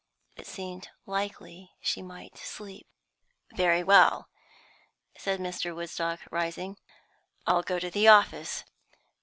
It seemed likely she might sleep. "Very well," said Mr. Woodstock, rising. "I'll go to the office.